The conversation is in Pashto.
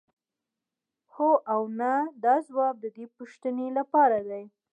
هو او نه دا ځواب د دې پوښتنې لپاره دی.